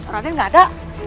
raden gak ada